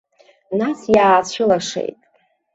Нас иаацәылашеит.